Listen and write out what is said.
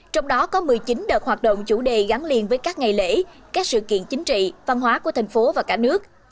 trong đó có một mươi chín đợt hoạt động chủ đề gắn liền với các ngày lễ các sự kiện chính trị văn hóa của thành phố và cả nước